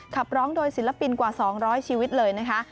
ขับร้องโดยศิลปินกว่า๒๐๐ชีวิตเลยนะคะ